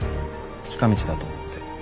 近道だと思って。